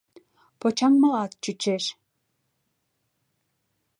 Почаҥмылат чучеш...